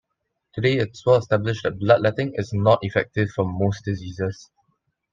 Today it is well established that bloodletting is not effective for most diseases.